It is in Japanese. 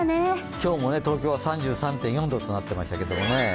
今日も東京は３３．４度となっていましたけれどもね。